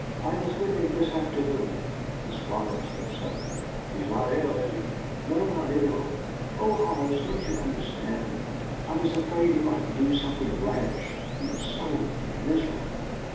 I was with him this afternoon " The Squire said suddenly: "He's not ill, is he?" "No, not ill. Oh, Horace, don't you understand? I was afraid he might do something rash. He was so miserable."